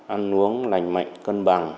ăn uống lành mạnh cân bằng